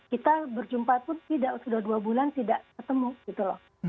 kita berjumpa pun sudah dua bulan tidak ketemu gitu loh